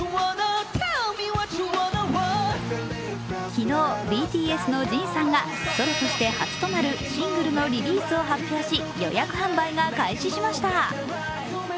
昨日、ＢＴＳのＪＩＮさんがソロとして初となるシングルのリリースを発表し、予約販売が開始しました。